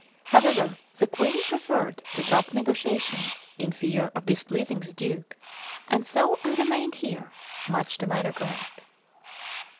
However, the Queen preferred to drop negotiations, in fear of displeasing the Duke; and so I remained here, much to my regret.